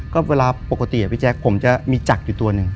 ก็เวลาปกติพี่แจ๊คผมจะมีจักรอยู่ตัวหนึ่ง